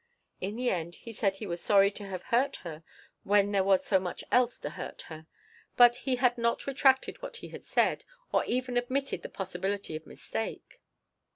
In the end he said he was sorry to have hurt her when there was so much else to hurt her, but had not retracted what he had said, or even admitted the possibility of mistake.